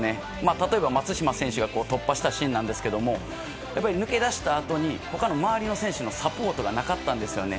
例えば、松島選手が突破したシーンなんですけど抜け出したあとに周りの選手のサポートがなかったんですね。